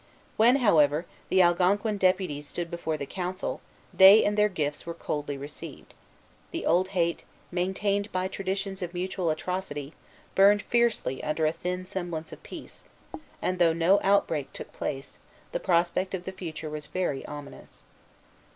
When, however, the Algonquin deputies stood before the council, they and their gifts were coldly received. The old hate, maintained by traditions of mutual atrocity, burned fiercely under a thin semblance of peace; and though no outbreak took place, the prospect of the future was very ominous.